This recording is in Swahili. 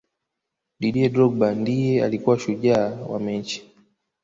didier drogba ndiye alikuwa shujaa wa mechi